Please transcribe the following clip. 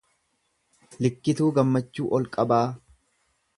Likkituu Gammachuu Olqabaa